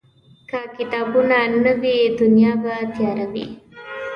که کتابونه نه وي، دنیا به تیاره وي.